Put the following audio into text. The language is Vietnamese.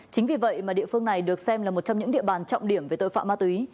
chính vì vậy mà địa phương này được xem là một trong những địa bàn trọng điểm về tội phạm ma túy